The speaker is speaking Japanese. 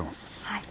はい。